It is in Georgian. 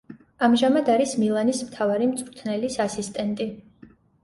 ამჟამად არის მილანის მთავარი მწვრთნელის ასისტენტი.